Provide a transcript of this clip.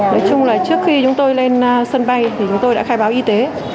nói chung là trước khi chúng tôi lên sân bay thì chúng tôi đã khai báo y tế